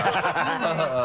ハハハ